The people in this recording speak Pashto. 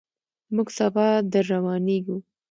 موږ سبا درروانېږو.